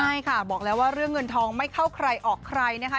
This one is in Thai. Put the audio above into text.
ใช่ค่ะบอกแล้วว่าเรื่องเงินทองไม่เข้าใครออกใครนะคะ